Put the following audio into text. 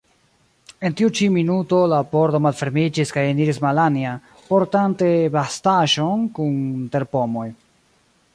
En tiu ĉi minuto la pordo malfermiĝis kaj eniris Malanja, portante bastaĵon kun terpomoj.